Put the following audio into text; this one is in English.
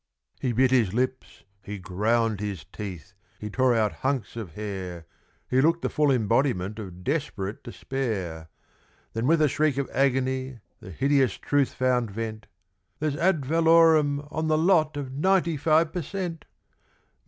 He bit his lips, he ground his teeth, he tore out hunks of hair, He looked the full embodiment of desperate despair; Then with a shriek of agony, the hideous truth found vent, "There's ad valorem on the lot of ninety five per cent.!